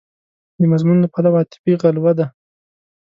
د مضمون له پلوه عاطفي غلوه ده.